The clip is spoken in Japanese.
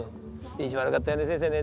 「意地悪かったよね先生ね」